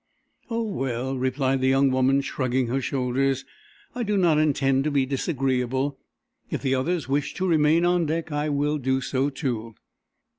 "Oh, well," replied the young woman, shrugging her shoulders, "I do not intend to be disagreeable. If the others wish to remain on deck, I will do so, too."